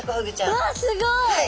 うわすごい！